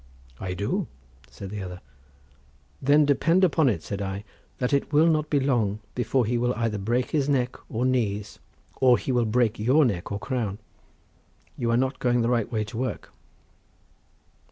"I do," said the other. "Then depend upon it," said I, "that it will not be long before he will either break his neck or knees or he will break your neck or crown. You are not going the right way to work."